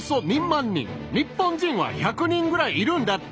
日本人は１００人ぐらいいるんだって。